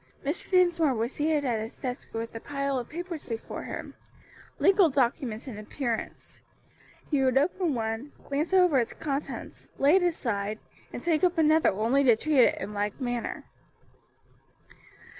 Mr. Dinsmore was seated at his desk with a pile of papers before him legal documents in appearance; he would open one, glance over its contents, lay it aside, and take up another only to treat it in like manner.